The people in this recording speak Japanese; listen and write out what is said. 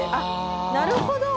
なるほど。